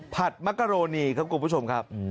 ผัดมะกะโรนีครับกลุ่มผู้ชมครับ